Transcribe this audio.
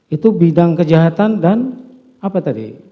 itu bidang kejahatan dan apa tadi